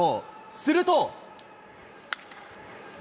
すると。